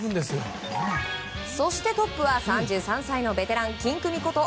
そしてトップは３３歳のベテランキンクミこと